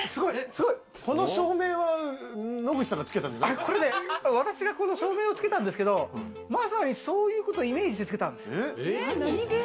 この照明は私がこの照明をつけたんですけど、まさにそういうことをイメージしてつけたんですよ。